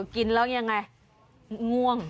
กินแล้วยังไงง่วง